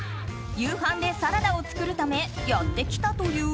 夕飯でサラダを作るためやってきたという。